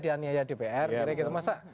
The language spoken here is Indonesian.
dianiaya dpr kira kira gitu masa